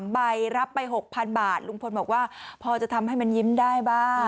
ใบรับไป๖๐๐๐บาทลุงพลบอกว่าพอจะทำให้มันยิ้มได้บ้าง